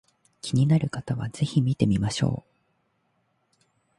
気になる方は是非見てみましょう